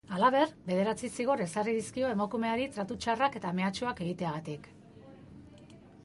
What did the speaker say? Halaber, bederatzi zigor ezarri dizkio emakumeari tratu txarrak eta mehatxuak egiteagatik.